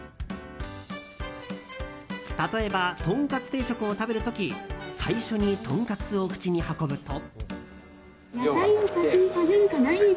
例えばとんかつ定食を食べる時最初にとんかつを口に運ぶと。